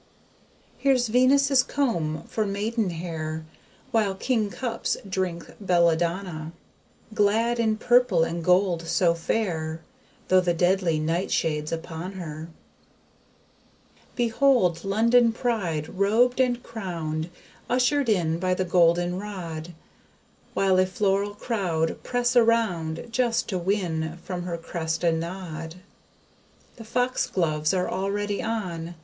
Here's VENUS' COMBE for MAIDENHAIR: While KING CUPS drink BELLA DONNA, Glad in purple and gold so fair, Though the DEADLY NIGHTSHADE'S upon her. Behold LONDON PRIDE robed & crowned, Ushered in by the GOLDEN ROD, While a floral crowd press around, Just to win from her crest a nod. The FOXGLOVES are already on.